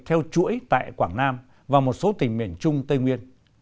theo chuỗi tại quảng nam và một số tỉnh miền trung tây nguyên